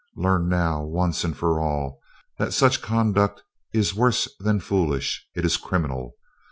Learn now, once and for all, that such conduct is worse than foolish it is criminal.